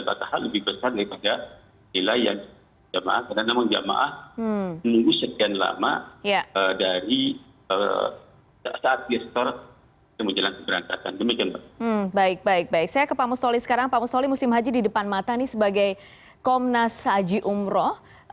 pak mustoli sekarang pak mustoli musim haji di depan mata ini sebagai komnas haji umroh